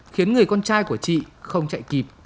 khiến người con trai của chị không chạy kịp